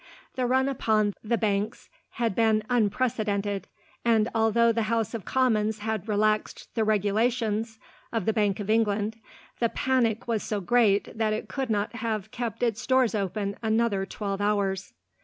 The run upon the banks had been unprecedented, and although the House of Commons had relaxed the regulations of the Bank of England, the panic was so great that it could not have kept its doors open another twelve hours.